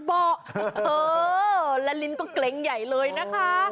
เออละลินก็เกร็งใหญ่เลยนะคะ